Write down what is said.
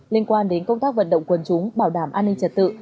liên quan đến công tác vận động quần chúng bảo đảm an ninh trật tự